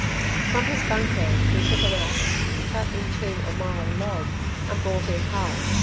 From his bunk head he took an axe, cut in two a myall log, and brought in half.